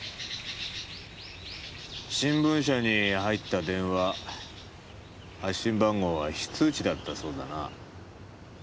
新聞社に入った電話発信番号は非通知だったそうだな。